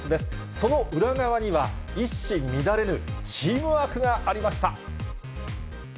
その裏側には、一糸乱れぬチームワークがありました。